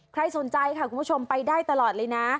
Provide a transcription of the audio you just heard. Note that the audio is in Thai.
ใครสนใจค่ะคุณผู้ชมไปได้ตลอดเลยนะ